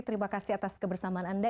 terima kasih atas kebersamaan anda